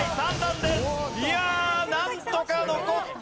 いやあなんとか残った。